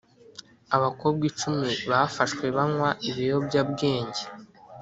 abakobwa icumi bafashwe banywa ibiyobya bwenge